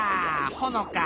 ほのか！